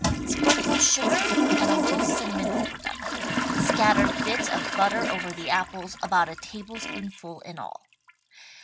Sprinkle sugar and a little cinnamon over them. Scatter bits of butter over the apples, about a tablespoonful in all.